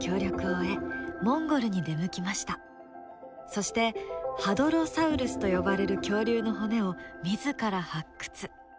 そしてハドロサウルスと呼ばれる恐竜の骨を自ら発掘。